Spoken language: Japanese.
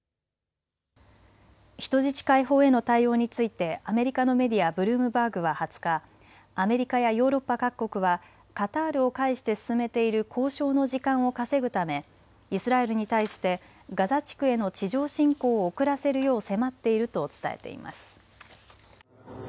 人質解放への対応についてアメリカのメディア、ブルームバーグは２０日、アメリカやヨーロッパ各国はカタールを介して進めている交渉の時間を稼ぐためイスラエルに対してガザ地区への地上侵攻を遅らせるよう迫っていると伝えています。